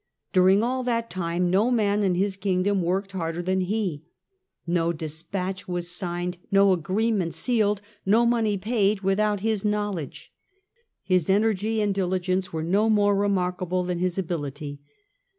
During all that time no man in his kingdom worked harder than he. No despatch was signed, no agreement sealed, no money paid without his knowledge. His energy and diligence were no more remarkable than his ability.